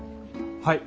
はい。